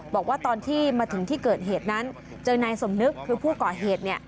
บอกว่าตอนที่มาถึงที่เกิดเหตุนั้นเจอนายสมนึกคือผู้ก่อเหตุ